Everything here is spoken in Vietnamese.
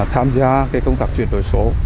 tham gia công tác chuyển đổi số